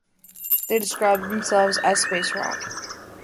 They describe themselves as space rock.